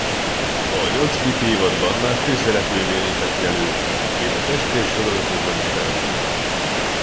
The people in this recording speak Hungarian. A nyolcadik évadban már főszereplővé lépett elő és a testvér sorozatokban is felbukkant.